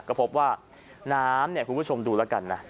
ก็พบว่าน้ำเนี่ยคุณผู้ชมดูแล้วกันนะ